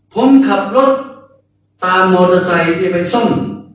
ผมขับรถตามมอเตอร์ไซค์ที่ไปซ่อม